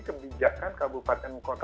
kepijakan kabupaten kota